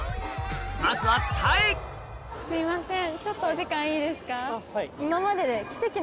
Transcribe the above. まずはすいません。